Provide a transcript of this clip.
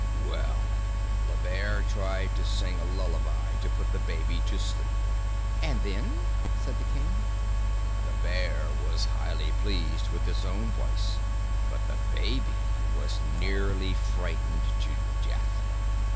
"Well, the bear tried to sing a lullaby to put the baby to sleep." "And then?" said the King. "The bear was highly pleased with its own voice, but the baby was nearly frightened to death."